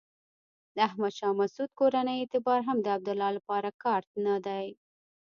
د احمد شاه مسعود کورنۍ اعتبار هم د عبدالله لپاره کارت نه دی.